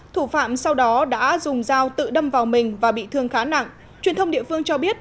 thủ phạm sau đó đã dùng dao tự đâm vào mình và bị thương khá nặng truyền thông địa phương cho biết